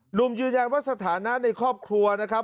หนุ่มยืนยันว่าสถานะในครอบครัวนะครับ